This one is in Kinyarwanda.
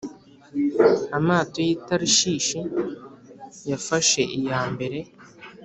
amato y’i tarishishi yafashe iya mbere,